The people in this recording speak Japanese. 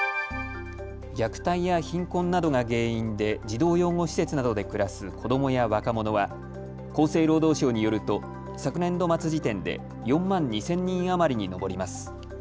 虐待や貧困などが原因で児童養護施設などで暮らす子どもや若者は厚生労働省によると昨年度末時点で４万２０００人余りに上ります。